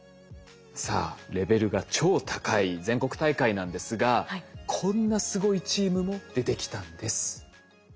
さあレベルが超高い全国大会なんですがこんなすごいチームも出てきたんです。